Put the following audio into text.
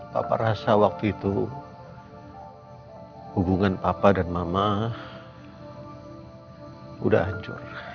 papa rasa waktu itu hubungan papa dan mama udah hancur